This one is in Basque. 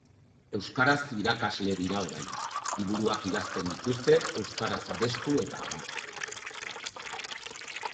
Euskaraz irakasle dira orain, liburuak idazten dituzte, euskaraz abestu eta abar.